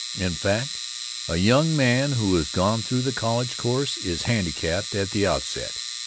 In fact, a young man who has gone through the college course is handicapped at the outset.